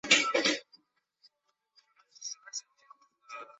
加贺昭三决定在该作中让系列首作主角马鲁斯的故事画上句号。